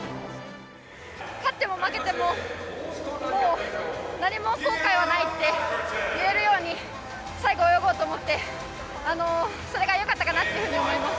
勝っても負けても、もう何も後悔はないって言えるように最後、泳ごうと思って、それがよかったかなっていうふうに思います。